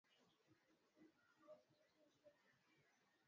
tatizo la virusi vya korona katika kufufua uchumi wa taifa